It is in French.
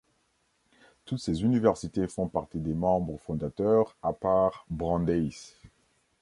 Toutes ces universités font partie des membres fondateurs, à part Brandeis.